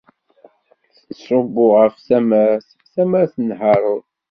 Tettṣubbu ɣef tamart, tamart n Haṛun.